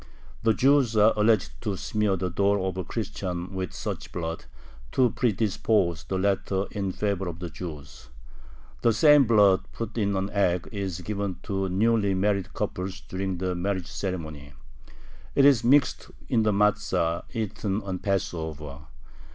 The Jews are alleged to smear the door of a Christian with such blood, to predispose the latter in favor of the Jews. The same blood put in an egg is given to newly married couples during the marriage ceremony; it is mixed in the matza eaten on Passover.